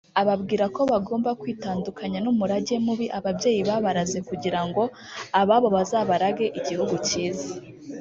ababwira ko bagomba kwitandukanya n’umurage mubi ababyeyi babaraze kugira ngo ababo bazabarage igihugu cyiza